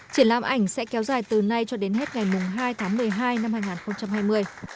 triển lãm ảnh sẽ kéo dài từ nay cho đến hết ngày hai tháng một mươi hai năm hai nghìn hai mươi